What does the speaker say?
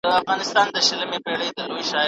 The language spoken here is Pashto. موږ عددونه په سمه توګه لولو.